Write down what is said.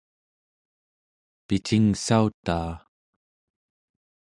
picingssautaa